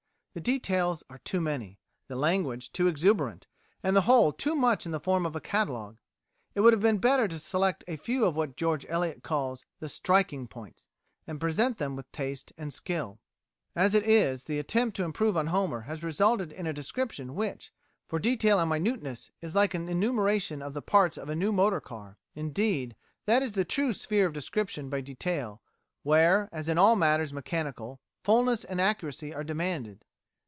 The details are too many, the language too exuberant, and the whole too much in the form of a catalogue. It would have been better to select a few of what George Eliot calls the "striking points," and present them with taste and skill. As it is, the attempt to improve on Homer has resulted in a description which, for detail and minuteness, is like the enumeration of the parts of a new motor car indeed, that is the true sphere of description by detail, where, as in all matters mechanical, fulness and accuracy are demanded.